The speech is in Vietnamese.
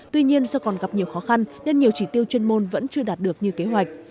tuy nhiên do còn gặp nhiều khó khăn nên nhiều chỉ tiêu chuyên môn vẫn chưa đạt được như kế hoạch